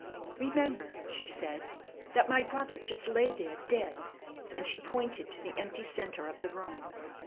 "Remember," she said, "that my brother just lay there dead!" and she pointed to the empty centre of the room.